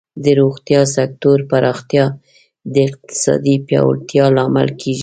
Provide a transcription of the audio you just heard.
د روغتیا سکتور پراختیا د اقتصادی پیاوړتیا لامل کیږي.